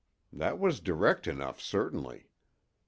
That was direct enough, certainly.